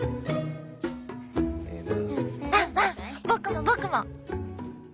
僕も僕も！